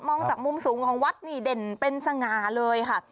จากมุมสูงของวัดนี่เด่นเป็นสง่าเลยค่ะ